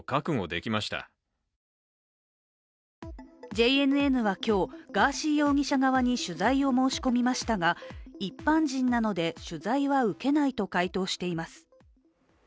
ＪＮＮは今日、ガーシー容疑者側に取材を申し込みましたが一般人なので取材は受けないと回答しています。